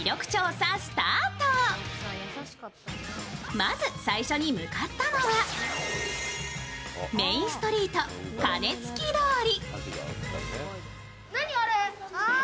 まず最初に向かったのはメインストリート、鐘つき通り。